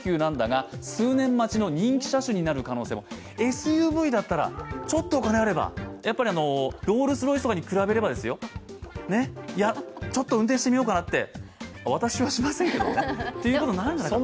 ＳＵＶだったら、ちょっとお金があれば、やっぱりロールス・ロイスとかに比べればちょっと運転してみようかなって私はしませんけど、っていうことになるんじゃないかなと。